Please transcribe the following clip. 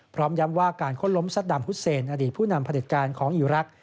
พร้อมย้ำว่าการค้นล้มซัดดำฮุเซนอดีตผู้นำผลิตการของอีรักษ